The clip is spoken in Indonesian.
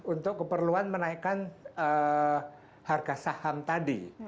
untuk keperluan menaikkan harga saham tadi